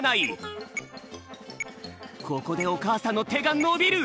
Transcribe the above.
ここでおかあさんのてがのびる！